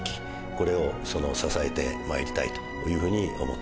これを支えて参りたいというふうに思っております。